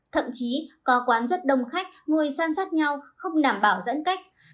thậm chí có quán rất đông khách người san sát nhau không đảm bảo giãn cách